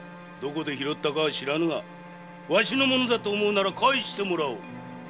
どこで拾ったか知らぬがわしのものなら返してもらおう。